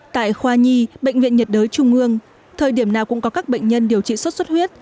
tại khoa nhi bệnh viện nhiệt đới trung ương thời điểm nào cũng có các bệnh nhân điều trị sốt xuất huyết